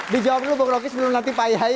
dijawab dulu bapak rocky sebelum nanti pak iyai